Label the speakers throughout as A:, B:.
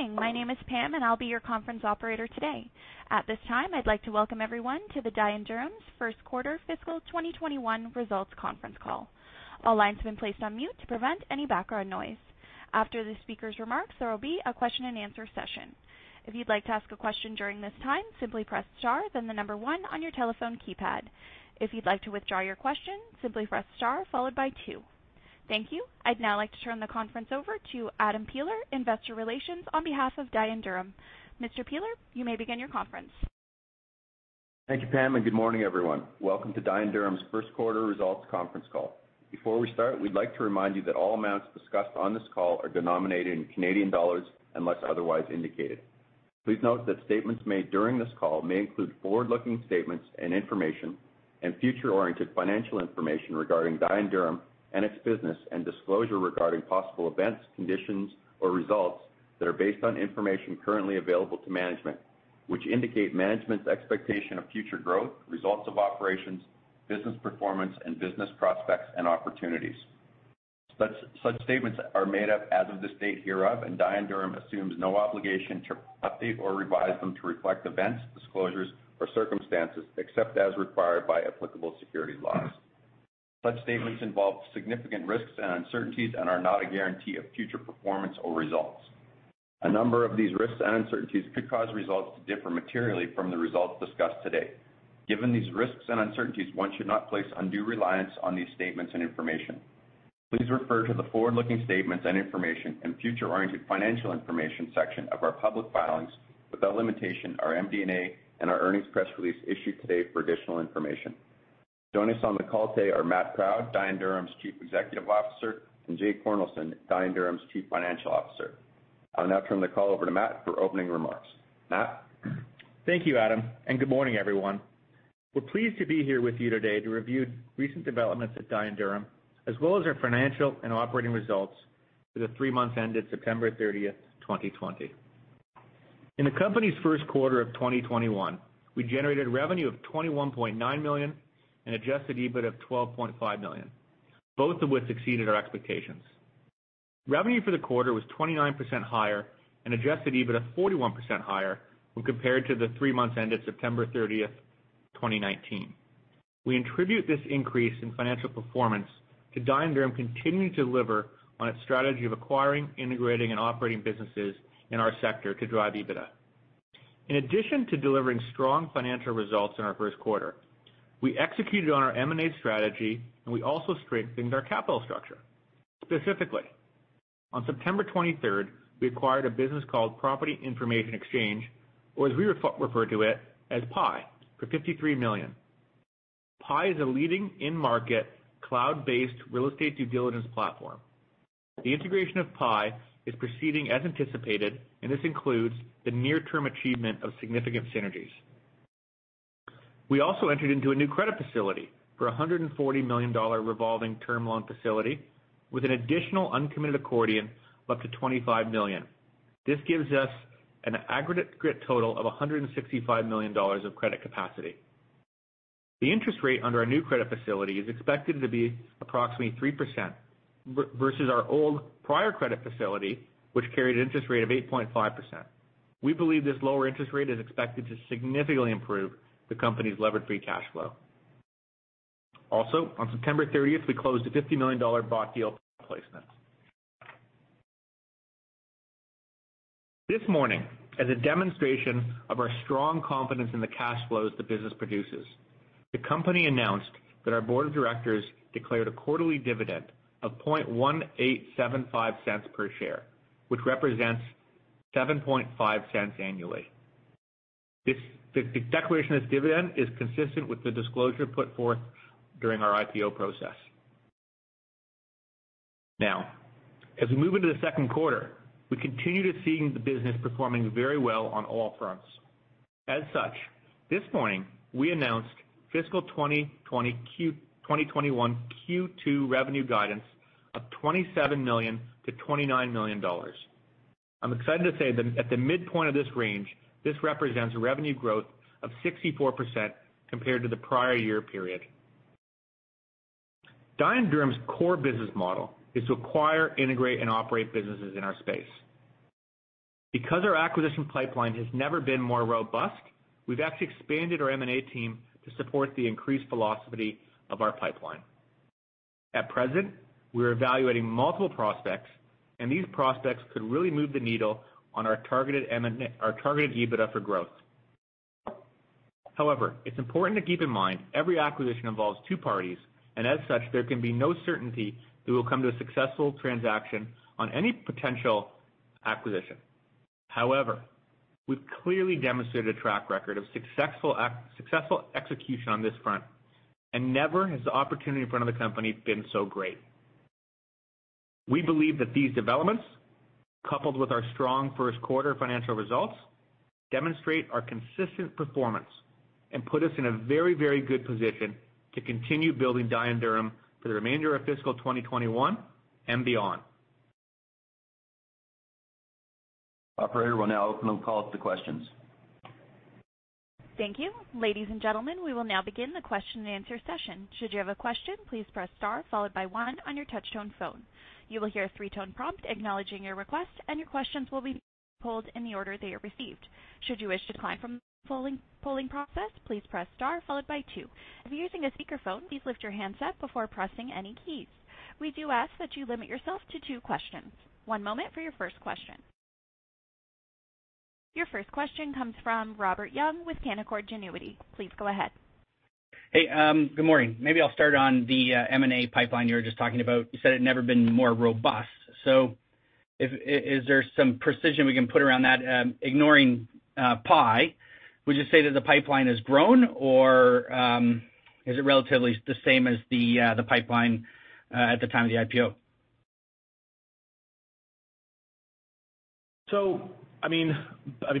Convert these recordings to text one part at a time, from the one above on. A: Good morning. My name is Pam, and I'll be your conference operator today. At this time, I'd like to welcome everyone to Dye & Durham's First Quarter Fiscal 2021 Results Conference Call. All lines have been placed on mute to prevent any background noise. After the speaker's remarks, there will be a question-and-answer session. If you'd like to ask a question during this time, simply press star, then the number one on your telephone keypad. If you'd like to withdraw your question, simply press star followed by two. Thank you. I'd now like to turn the conference over to Adam Peeler, Investor Relations, on behalf of Dye & Durham. Mr. Peeler, you may begin your conference.
B: Thank you, Pam, and good morning, everyone. Welcome to Dye & Durham's first quarter results conference call. Before we start, we'd like to remind you that all amounts discussed on this call are denominated in Canadian dollars unless otherwise indicated. Please note that statements made during this call may include forward-looking statements and information and future-oriented financial information regarding Dye & Durham and its business, and disclosure regarding possible events, conditions, or results that are based on information currently available to management, which indicate management's expectation of future growth, results of operations, business performance, and business prospects and opportunities. Such statements are made as of this date hereof, and Dye & Durham assumes no obligation to update or revise them to reflect events, disclosures, or circumstances except as required by applicable securities laws. Such statements involve significant risks and uncertainties and are not a guarantee of future performance or results. A number of these risks and uncertainties could cause results to differ materially from the results discussed today. Given these risks and uncertainties, one should not place undue reliance on these statements and information. Please refer to the forward-looking statements and information and future-oriented financial information section of our public filings without limitation, our MD&A, and our earnings press release issued today for additional information. Joining us on the call today are Matt Proud, Dye & Durham's Chief Executive Officer, and Jae Cornelssen, Dye & Durham's Chief Financial Officer. I'll now turn the call over to Matt for opening remarks. Matt.
C: Thank you, Adam, and good morning, everyone. We're pleased to be here with you today to review recent developments at Dye & Durham, as well as our financial and operating results for the three months ended September 30, 2020. In the company's first quarter of 2021, we generated revenue of 21.9 million and adjusted EBITA of 12.5 million, both of which exceeded our expectations. Revenue for the quarter was 29% higher and adjusted EBITA was 41% higher when compared to the three months ended September 30, 2019. We attribute this increase in financial performance to Dye & Durham continuing to deliver on its strategy of acquiring, integrating, and operating businesses in our sector to drive EBITDA. In addition to delivering strong financial results in our first quarter, we executed on our M&A strategy, and we also strengthened our capital structure. Specifically, on September 23rd, we acquired a business called Property Information Exchange, or as we refer to it, as PIE, for 53 million. PIE is a leading in-market cloud-based real estate due diligence platform. The integration of PIE is proceeding as anticipated, and this includes the near-term achievement of significant synergies. We also entered into a new credit facility for a 140 million dollar revolving term loan facility with an additional uncommitted accordion of up to 25 million. This gives us an aggregate total of 165 million dollars of credit capacity. The interest rate under our new credit facility is expected to be approximately 3% versus our old prior credit facility, which carried an interest rate of 8.5%. We believe this lower interest rate is expected to significantly improve the company's levered-free cash flow. Also, on September 30th, we closed a 50 million dollar bought deal placement. This morning, as a demonstration of our strong confidence in the cash flows the business produces, the company announced that our board of directors declared a quarterly dividend of 0.001875 per share, which represents 0.075 annually. This declaration of dividend is consistent with the disclosure put forth during our IPO process. Now, as we move into the second quarter, we continue to see the business performing very well on all fronts. As such, this morning, we announced fiscal 2021 Q2 revenue guidance of 27 million-29 million dollars. I'm excited to say that at the midpoint of this range, this represents revenue growth of 64% compared to the prior year period. Dye & Durham's core business model is to acquire, integrate, and operate businesses in our space. Because our acquisition pipeline has never been more robust, we've actually expanded our M&A team to support the increased velocity of our pipeline. At present, we're evaluating multiple prospects, and these prospects could really move the needle on our targeted EBITDA for growth. However, it's important to keep in mind every acquisition involves two parties, and as such, there can be no certainty that we'll come to a successful transaction on any potential acquisition. However, we've clearly demonstrated a track record of successful execution on this front, and never has the opportunity in front of the company been so great. We believe that these developments, coupled with our strong first quarter financial results, demonstrate our consistent performance and put us in a very, very good position to continue building Dye & Durham for the remainder of fiscal 2021 and beyond.
B: Operator will now open the call to questions.
A: Thank you. Ladies and gentlemen, we will now begin the question-and-answer session. Should you have a question, please press star followed by one on your touch-tone phone. You will hear a three-tone prompt acknowledging your request, and your questions will be polled in the order they are received. Should you wish to decline from the polling process, please press star followed by two. If you're using a speakerphone, please lift your hands up before pressing any keys. We do ask that you limit yourself to two questions. One moment for your first question. Your first question comes from Robert Young with Canaccord Genuity. Please go ahead.
D: Hey, good morning. Maybe I'll start on the M&A pipeline you were just talking about. You said it had never been more robust. Is there some precision we can put around that? Ignoring PIE, would you say that the pipeline has grown, or is it relatively the same as the pipeline at the time of the IPO?
C: I mean,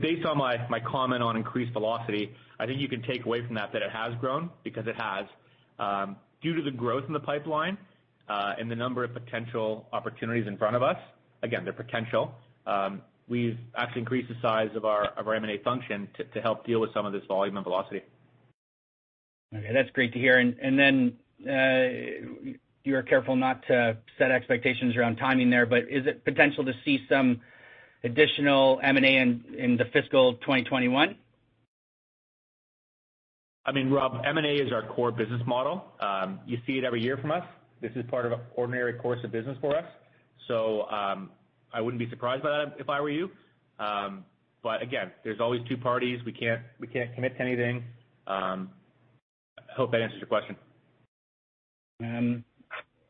C: based on my comment on increased velocity, I think you can take away from that that it has grown because it has. Due to the growth in the pipeline and the number of potential opportunities in front of us, again, they're potential, we've actually increased the size of our M&A function to help deal with some of this volume and velocity.
D: Okay. That's great to hear. You were careful not to set expectations around timing there, but is it potential to see some additional M&A in the fiscal 2021?
C: I mean, Rob, M&A is our core business model. You see it every year from us. This is part of an ordinary course of business for us. I would not be surprised by that if I were you. Again, there are always two parties. We cannot commit to anything. I hope that answers your question.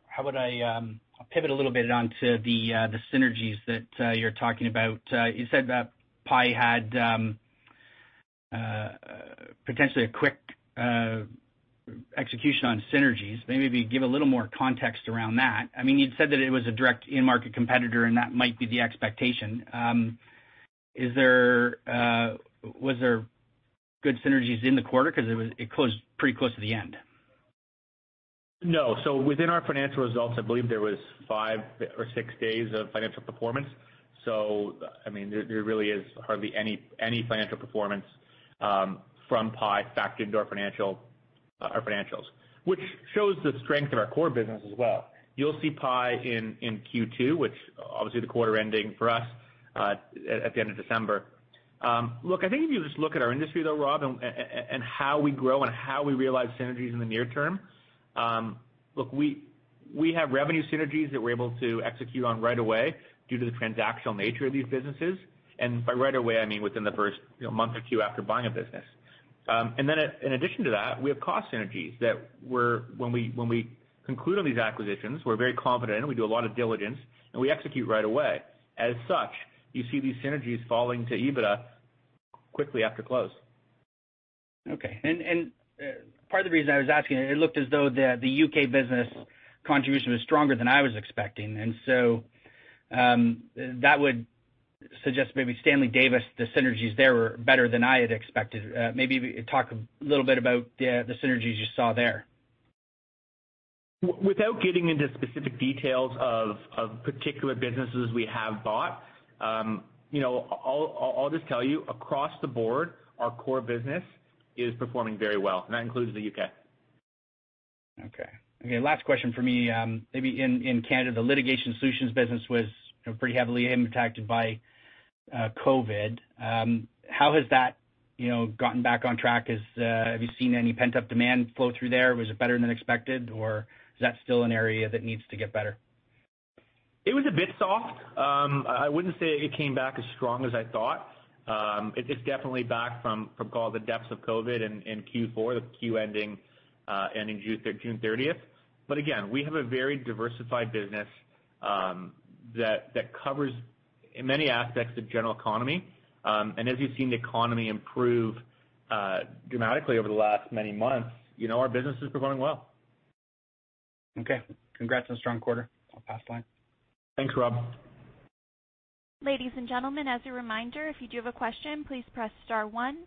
D: How about I pivot a little bit onto the synergies that you're talking about? You said that PIE had potentially a quick execution on synergies. Maybe if you give a little more context around that. I mean, you'd said that it was a direct in-market competitor, and that might be the expectation. Was there good synergies in the quarter because it closed pretty close to the end?
C: No. Within our financial results, I believe there was five or six days of financial performance. I mean, there really is hardly any financial performance from PIE factored into our financials, which shows the strength of our core business as well. You'll see PIE in Q2, which obviously the quarter ending for us at the end of December. Look, I think if you just look at our industry, though, Rob, and how we grow and how we realize synergies in the near term, we have revenue synergies that we're able to execute on right away due to the transactional nature of these businesses. By right away, I mean within the first month or two after buying a business. In addition to that, we have cost synergies that when we conclude on these acquisitions, we're very confident in them. We do a lot of diligence, and we execute right away. As such, you see these synergies falling to EBITDA quickly after close.
D: Okay. Part of the reason I was asking, it looked as though the U.K. business contribution was stronger than I was expecting. That would suggest maybe Stanley Davis, the synergies there were better than I had expected. Maybe talk a little bit about the synergies you saw there.
C: Without getting into specific details of particular businesses we have bought, I'll just tell you across the board, our core business is performing very well. That includes the U.K.
D: Okay. Okay. Last question for me. Maybe in Canada, the litigation solutions business was pretty heavily impacted by COVID. How has that gotten back on track? Have you seen any pent-up demand flow through there? Was it better than expected, or is that still an area that needs to get better?
C: It was a bit soft. I would not say it came back as strong as I thought. It is definitely back from all the depths of COVID in Q4, the quarter ending June 30th. We have a very diversified business that covers many aspects of the general economy. As you have seen the economy improve dramatically over the last many months, our business is performing well.
D: Okay. Congrats on a strong quarter. I'll pass the line.
C: Thanks, Rob.
A: Ladies and gentlemen, as a reminder, if you do have a question, please press star one.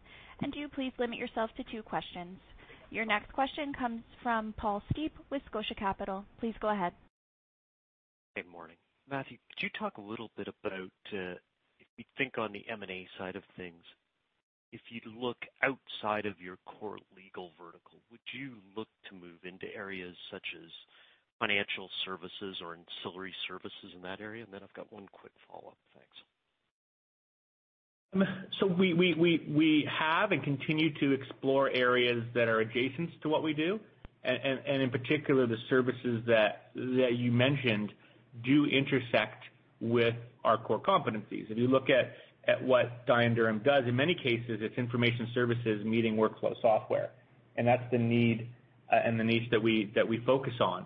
A: Please limit yourself to two questions. Your next question comes from Paul Steep with Scotia Capital. Please go ahead.
E: Good morning. Matthew, could you talk a little bit about, if you think on the M&A side of things, if you look outside of your core legal vertical, would you look to move into areas such as financial services or ancillary services in that area? I have got one quick follow-up. Thanks.
C: We have and continue to explore areas that are adjacent to what we do. In particular, the services that you mentioned do intersect with our core competencies. If you look at what Dye & Durham does, in many cases, it is information services meeting workflow software. That is the need and the niche that we focus on.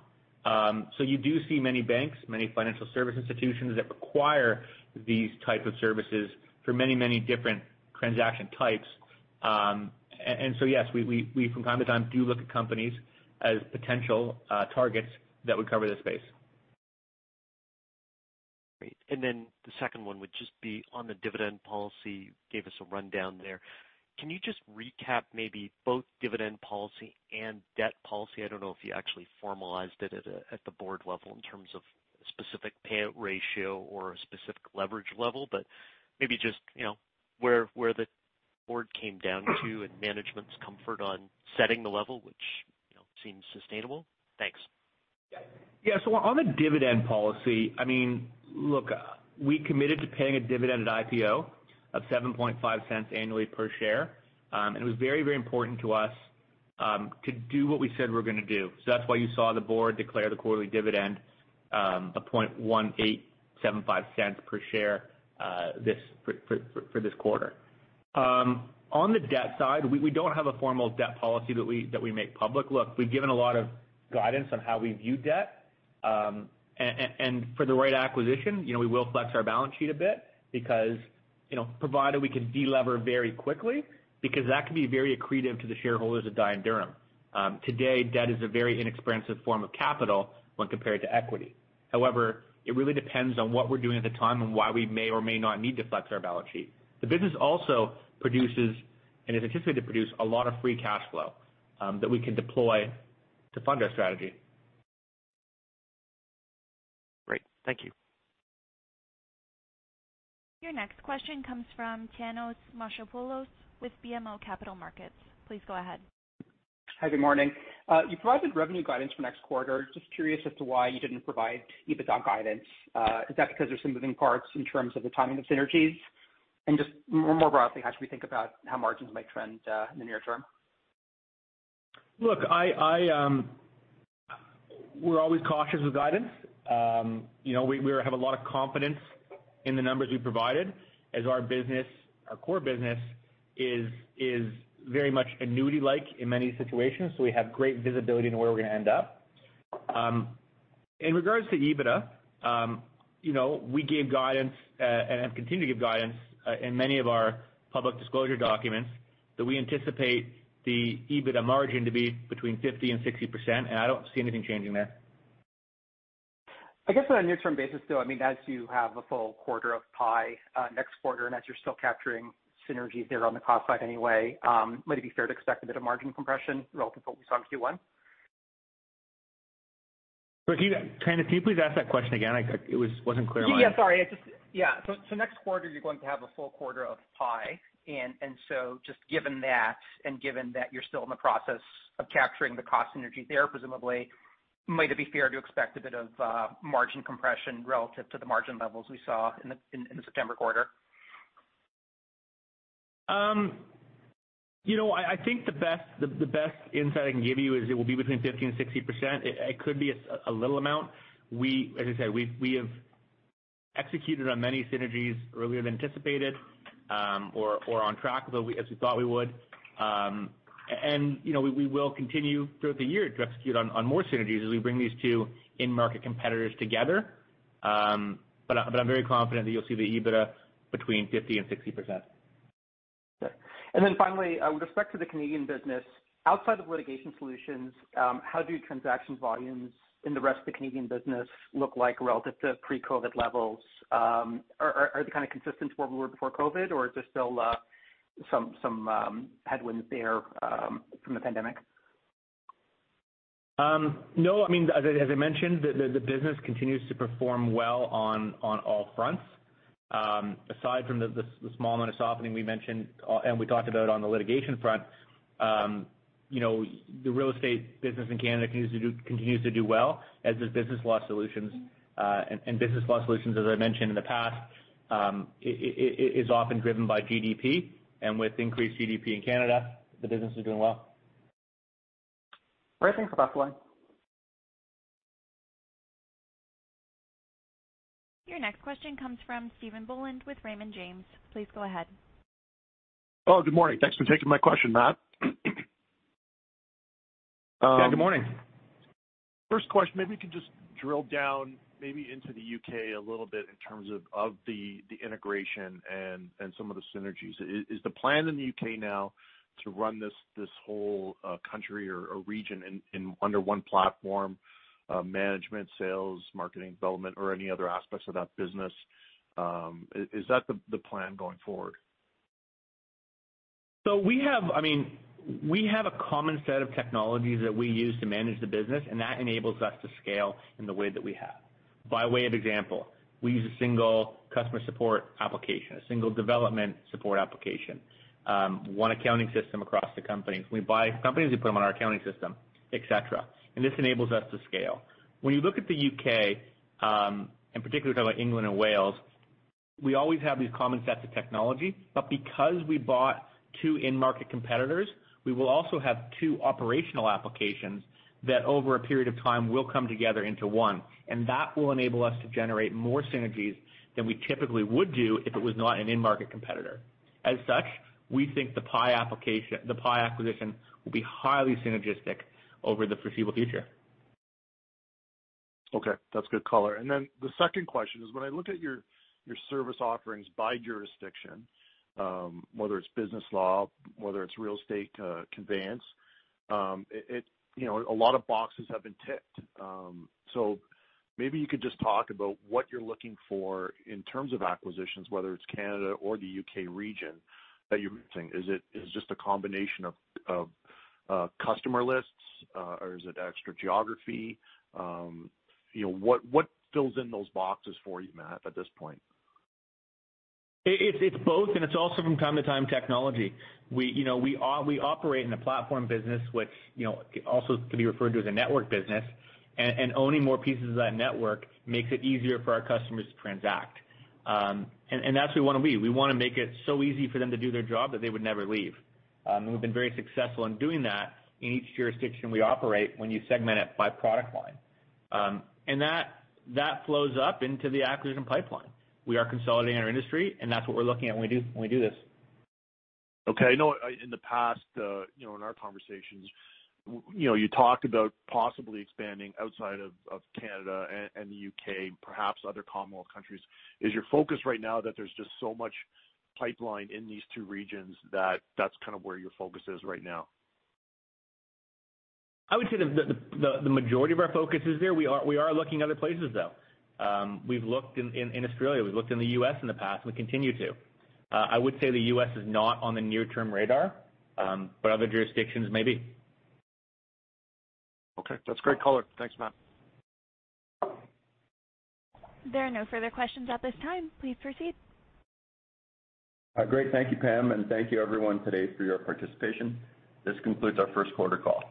C: You do see many banks, many financial service institutions that require these types of services for many different transaction types. Yes, we from time to time do look at companies as potential targets that would cover this space.
E: Great. The second one would just be on the dividend policy. You gave us a rundown there. Can you just recap maybe both dividend policy and debt policy? I do not know if you actually formalized it at the board level in terms of a specific payout ratio or a specific leverage level, but maybe just where the board came down to and management's comfort on setting the level, which seems sustainable. Thanks.
C: Yeah. On the dividend policy, I mean, look, we committed to paying a dividend at IPO of 0.075 annually per share. It was very, very important to us to do what we said we were going to do. That is why you saw the board declare the quarterly dividend of 0.01875 per share for this quarter. On the debt side, we do not have a formal debt policy that we make public. Look, we have given a lot of guidance on how we view debt. For the right acquisition, we will flex our balance sheet a bit provided we can delever very quickly, because that can be very accretive to the shareholders of Dye & Durham. Today, debt is a very inexpensive form of capital when compared to equity. However, it really depends on what we're doing at the time and why we may or may not need to flex our balance sheet. The business also produces and is anticipated to produce a lot of free cash flow that we can deploy to fund our strategy.
E: Great. Thank you.
A: Your next question comes from Thanos Moschopoulos with BMO Capital Markets. Please go ahead.
F: Hi, good morning. You provided revenue guidance for next quarter. Just curious as to why you did not provide EBITDA guidance. Is that because there are some moving parts in terms of the timing of synergies? Just more broadly, how should we think about how margins might trend in the near term?
C: Look, we're always cautious with guidance. We have a lot of confidence in the numbers we provided as our core business is very much annuity-like in many situations. So we have great visibility in where we're going to end up. In regards to EBITDA, we gave guidance and have continued to give guidance in many of our public disclosure documents that we anticipate the EBITDA margin to be between 50%-60%. I don't see anything changing there.
F: I guess on a near-term basis, though, I mean, as you have a full quarter of PIE next quarter and as you're still capturing synergies there on the cost side anyway, might it be fair to expect a bit of margin compression relative to what we saw in Q1?
C: Thanos, can you please ask that question again? It was not clear on me.
F: Yeah, sorry. Yeah. Next quarter, you're going to have a full quarter of PIE. And just given that and given that you're still in the process of capturing the cost synergy there, presumably, might it be fair to expect a bit of margin compression relative to the margin levels we saw in the September quarter?
C: I think the best insight I can give you is it will be between 50% and 60%. It could be a little amount. As I said, we have executed on many synergies earlier than anticipated or on track as we thought we would. We will continue throughout the year to execute on more synergies as we bring these two in-market competitors together. I am very confident that you'll see the EBITDA between 50% and 60%.
F: Okay. Finally, with respect to the Canadian business, outside of litigation solutions, how do transaction volumes in the rest of the Canadian business look like relative to pre-COVID levels? Are they kind of consistent where we were before COVID, or is there still some headwinds there from the pandemic?
C: No. I mean, as I mentioned, the business continues to perform well on all fronts. Aside from the small amount of softening we mentioned and we talked about on the litigation front, the real estate business in Canada continues to do well as does Business Law Solutions. And Business Law Solutions, as I mentioned in the past, are often driven by GDP. And with increased GDP in Canada, the business is doing well.
F: Great. Thanks for passing along.
A: Your next question comes from Stephen Boland with Raymond James. Please go ahead.
G: Oh, good morning. Thanks for taking my question, Matt.
C: Yeah, good morning.
G: First question, maybe we can just drill down maybe into the U.K. a little bit in terms of the integration and some of the synergies. Is the plan in the U.K. now to run this whole country or region under one platform, management, sales, marketing, development, or any other aspects of that business? Is that the plan going forward?
C: I mean, we have a common set of technologies that we use to manage the business, and that enables us to scale in the way that we have. By way of example, we use a single customer support application, a single development support application, one accounting system across the company. When we buy companies, we put them on our accounting system, etc. This enables us to scale. When you look at the U.K., in particular, we're talking about England and Wales, we always have these common sets of technology. Because we bought two in-market competitors, we will also have two operational applications that over a period of time will come together into one. That will enable us to generate more synergies than we typically would do if it was not an in-market competitor. As such, we think the PIE acquisition will be highly synergistic over the foreseeable future.
G: Okay. That's good color. The second question is, when I look at your service offerings by jurisdiction, whether it's business law, whether it's real estate conveyance, a lot of boxes have been ticked. Maybe you could just talk about what you're looking for in terms of acquisitions, whether it's Canada or the U.K. region that you're mentioning. Is it just a combination of customer lists, or is it extra geography? What fills in those boxes for you, Matt, at this point?
C: It's both, and it's also from time to time technology. We operate in a platform business, which also can be referred to as a network business. Owning more pieces of that network makes it easier for our customers to transact. That's who we want to be. We want to make it so easy for them to do their job that they would never leave. We've been very successful in doing that in each jurisdiction we operate when you segment it by product line. That flows up into the acquisition pipeline. We are consolidating our industry, and that's what we're looking at when we do this.
G: Okay. In the past, in our conversations, you talked about possibly expanding outside of Canada and the U.K., perhaps other Commonwealth countries. Is your focus right now that there's just so much pipeline in these two regions that that's kind of where your focus is right now?
C: I would say the majority of our focus is there. We are looking other places, though. We've looked in Australia. We've looked in the U.S. in the past, and we continue to. I would say the U.S. is not on the near-term radar, but other jurisdictions may be.
G: Okay. That's great color. Thanks, Matt.
A: There are no further questions at this time. Please proceed.
B: Great. Thank you, Pam. Thank you, everyone, today for your participation. This concludes our first quarter call.